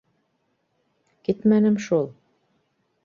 Китмәнем шул...